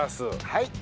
はい。